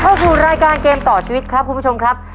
เข้าสู่รายการเกมต่อชีวิตครับคุณผู้ชมครับ